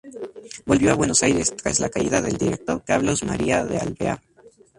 Volvió a Buenos Aires tras la caída del Director Carlos María de Alvear.